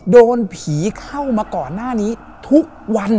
โดนผีเข้ามาก่อนหน้านี้ทุกวัน